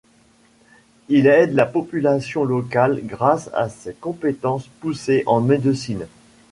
Il aide la population local grâce à ses compétences poussées en médecine.